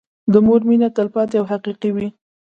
د مور مينه تلپاتې او حقيقي وي.